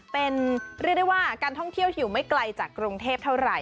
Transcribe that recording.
เป็นเรียกได้ว่าการท่องเที่ยวอยู่ไม่ไกลจากกรุงเทพเท่าไหร่